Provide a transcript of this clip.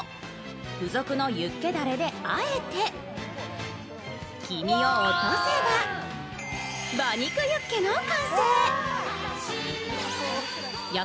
附属のユッケだれで和えて、黄身を落とせば馬肉ユッケの完成。